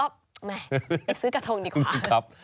แม่ไปซื้อกระทงดีกว่า